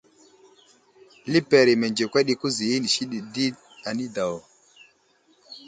Liper i mənzekwed i kuza inisi ɗi di anidaw.